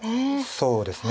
そうですね。